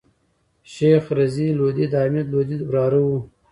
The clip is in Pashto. شېخ رضي لودي دحمید لودي وراره وو.